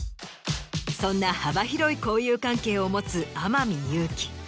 そんな幅広い交友関係を持つ天海祐希。